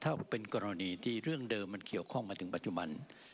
เพราะเห็นว่าถ้าเป็นกรณีที่เรื่องเดิมที่เคี่ยวข้องไปถึงปัจจุบัน